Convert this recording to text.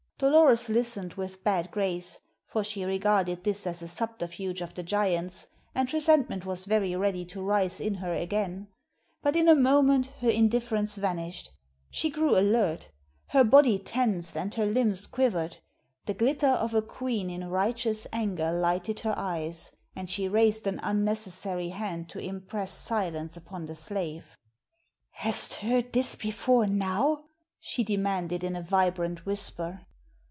Dolores listened with bad grace, for she regarded this as a subterfuge of the giant's, and resentment was very ready to rise in her again. But in a moment her indifference vanished; she grew alert; her body tensed, and her limbs quivered; the glitter of a queen in righteous anger lighted her eyes, and she raised an unnecessary hand to impress silence upon the slave. "Hast hear this before now?" she demanded in a vibrant whisper.